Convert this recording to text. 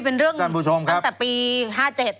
เป็นเรื่องกันตัวปี๕๗จ้าคุณผู้ชมครับ